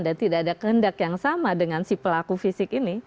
dan tidak ada kehendak yang sama dengan si pelaku fisik ini